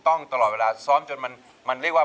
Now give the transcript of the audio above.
ร้องเข้าให้เร็ว